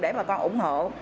để bà con ủng hộ